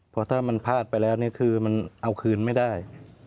เพราะถ้ามันพลาดไปแล้วเนี่ยคือมันเอาคืนไม่ได้